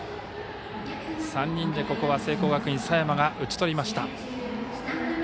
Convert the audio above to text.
３人でここは聖光学院、佐山が打ち取りました。